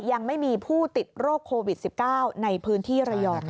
ยังไม่มีผู้ติดโรคโควิด๑๙ในพื้นที่ระยอง